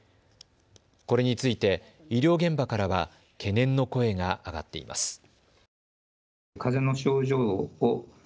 これについて医療現場からは懸念の声が上がっています。